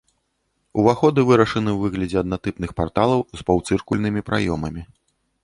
Уваходы вырашаны ў выглядзе аднатыпных парталаў з паўцыркульнымі праёмамі.